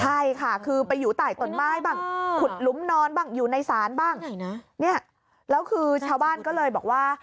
ใช่ค่ะคือไปอยู่ใต้ต้นไม้บ้างขุดหลุมนอนบ้างอยู่ในศาลบ้างเนี่ยแล้วคือชาวบ้านก็เลยบอกว่า